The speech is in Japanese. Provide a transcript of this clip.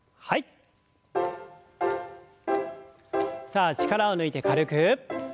さあ力を抜いて軽く。